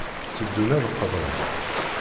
Tteddun ad d-qḍun.